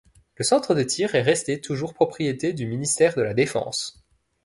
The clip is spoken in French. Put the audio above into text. Le centre de tir est resté toujours propriété du ministère de la défense.